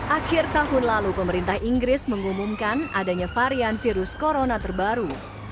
akhir tahun lalu pemerintah inggris mengumumkan adanya varian virus corona terbaru